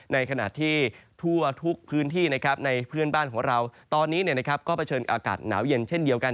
ในขณะที่ทั่วทุกพื้นที่ในเพื่อนบ้านของเราตอนนี้ก็เผชิญอากาศหนาวเย็นเช่นเดียวกัน